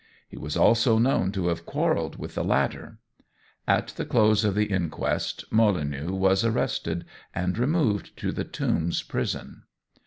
He was also known to have quarrelled with the latter. At the close of the inquest Molineux was arrested, and removed to the Tombs prison.